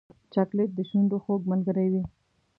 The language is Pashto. چاکلېټ د شونډو خوږ ملګری وي.